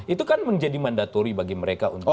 itu kan menjadi mandatori bagi mereka untuk